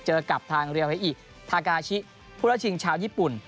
เจอกลับทางเรียวให้อีทากาชิพุทธชิงชาวญี่ปุ่น